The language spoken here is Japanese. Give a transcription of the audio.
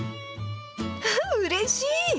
うれしい！